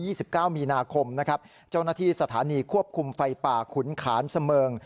สิบเก้ามีนาคมนะครับเจ้าหน้าที่สถานีควบคุมไฟป่าขุนขานเสมิง